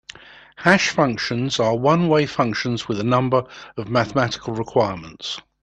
Hash functions are one-way functions with a number of mathematical requirements.